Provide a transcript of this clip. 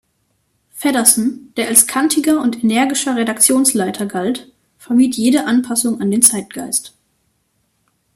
Feddersen, der als „kantiger und energischer Redaktionsleiter“ galt, vermied jede Anpassung an den Zeitgeist.